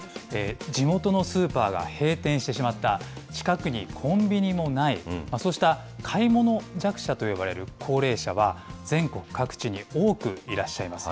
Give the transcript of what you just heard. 地元のスーパーが閉店してしまった、近くにコンビニもない、そうした買い物弱者と呼ばれる高齢者は、全国各地に多くいらっしゃいます。